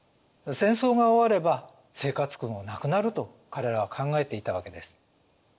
戦争が終われば生活苦もなくなると彼らは考えていたわけです。